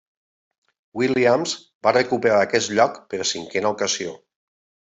Williams va recuperar aquest lloc per cinquena ocasió.